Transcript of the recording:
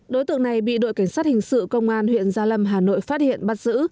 đối tượng này bị đội cảnh sát hình sự công an huyện gia lâm hà nội phát hiện bắt giữ